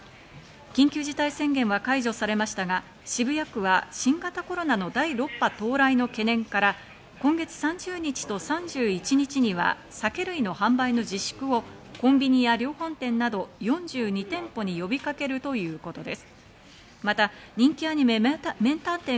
緊急事態宣言は解除されましたが、渋谷区は新型コロナの第６波到来の懸念もあることから、今月３０日と３１日には酒類の販売の自粛をコンビニや量販店など４２店舗に呼びかけるということです。